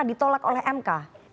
karena ditolak oleh mk